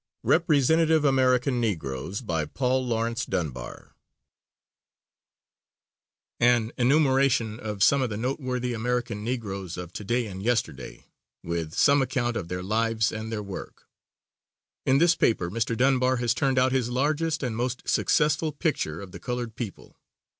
] Representative American Negroes By PAUL LAURENCE DUNBAR An enumeration of some of the noteworthy American Negroes of to day and yesterday, with some account of their lives and their work. In this paper Mr. Dunbar has turned out his largest and most successful picture of the colored people.